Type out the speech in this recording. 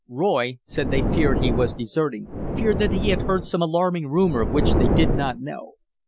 Roy saw they feared he was deserting, feared that he had heard some alarming rumor of which they did not know.